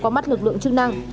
qua mắt lực lượng chức năng